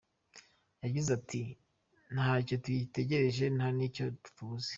Yagize ati “Ntacyo tugitegereje nta n’icyo tubuze.